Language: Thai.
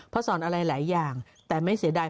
เพราะสอนอะไรหลายอย่างแต่ไม่เสียดาย